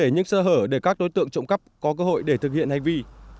những sơ hở để các đối tượng trộm cắp có cơ hội để thực hiện hành vi